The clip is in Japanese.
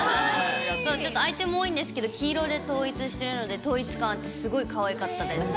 ちょっとアイテム多いんですけど、黄色で統一してるので、統一感あって、すごいかわいかったです。